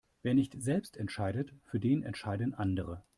Wer nicht selbst entscheidet, für den entscheiden andere.